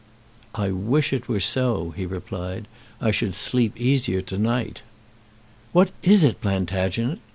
"I wish it were so," he replied. "I should sleep easier to night." "What is it, Plantagenet?"